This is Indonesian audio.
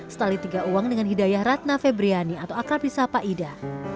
setali tiga uang dengan hidayah ratna febriani atau akrab risa paida